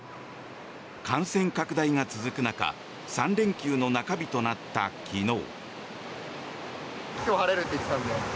感染拡大が続く中３連休の中日となった昨日。